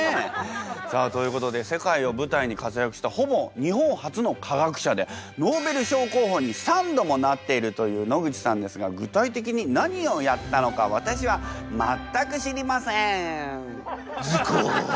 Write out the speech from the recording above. さあということで世界を舞台に活躍したほぼ日本初の科学者でノーベル賞候補に３度もなっているという野口さんですが具体的に何をやったのか私はズコ！